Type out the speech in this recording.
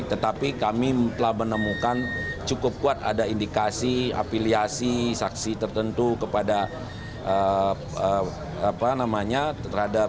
tetapi kami telah menemukan cukup kuat ada indikasi afiliasi saksi tertentu kepada